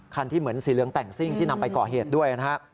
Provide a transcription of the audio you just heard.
ที่เหมือนสีเหลืองแต่งซิ่งที่นำไปก่อเหตุด้วยนะฮะ